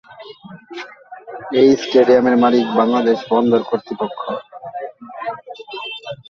এই স্টেডিয়ামের মালিক বাংলাদেশ বন্দর কর্তৃপক্ষ।